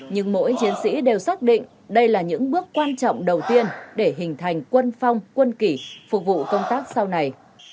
nhưng mỗi chiến sĩ đều xác định đây là những bước quan trọng đầu tiên để hình thành quân phong quân kỷ phục vụ công tác sau này